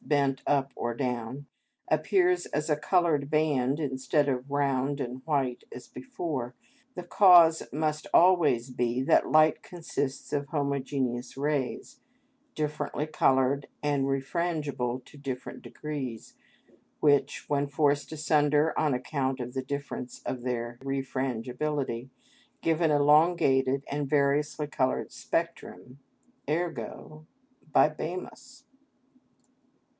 _, bent up or down, appears as a coloured band instead of round and white as before, the cause must always be that light consists of homogeneous rays, differently coloured and refrangible to different degrees, which, when forced asunder on account of the difference of their refrangibility, give an elongated and variously coloured spectrum: _ergo—bibamus!